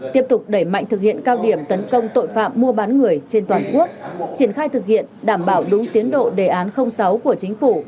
tiếp tục đẩy mạnh thực hiện cao điểm tấn công tội phạm mua bán người trên toàn quốc triển khai thực hiện đảm bảo đúng tiến độ đề án sáu của chính phủ